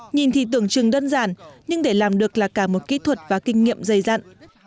nhìn thì tưởng chừng đơn giản nhưng để làm được là cả một kỹ thuật và kinh nghiệm dày dặn